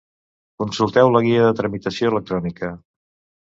Consulteu la guia de tramitació electrònica.